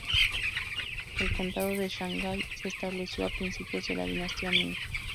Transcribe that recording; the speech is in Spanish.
El condado de Shanghái se estableció a principios de la Dinastía Ming.